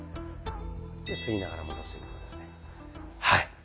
はい。